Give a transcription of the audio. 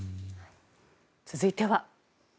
続いては。